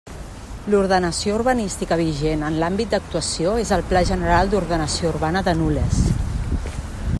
L'ordenació urbanística vigent en l'àmbit d'actuació és el Pla General d'Ordenació Urbana de Nules.